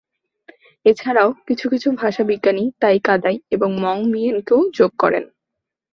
এছাড়াও, কিছু কিছু ভাষাবিজ্ঞানী তাই-কাদাই এবং মং-মিয়েনকেও যোগ করেন।